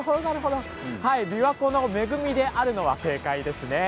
びわ湖の恵みであるのは正解ですね。